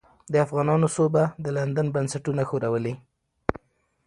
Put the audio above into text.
د افغانانو سوبه د لندن بنسټونه ښورولې.